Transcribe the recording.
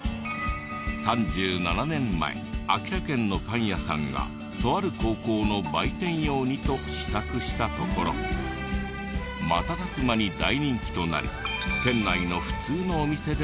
３７年前秋田県のパン屋さんがとある高校の売店用にと試作したところ瞬く間に大人気となり県内の普通のお店でも販売するように。